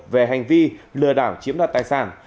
về hành vi lừa đảo chiếm đặt tài sản